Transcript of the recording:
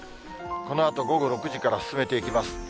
このあと午後６時から進めていきます。